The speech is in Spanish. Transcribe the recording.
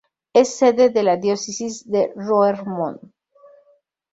Es sede de la diócesis de Roermond.